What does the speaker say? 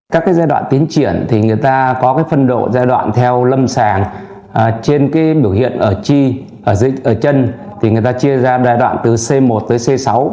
các cái giai đoạn tiến triển thì người ta có cái phân độ giai đoạn theo lâm sàng trên cái biểu hiện ở chi ở chân thì người ta chia ra giai đoạn từ c một tới c sáu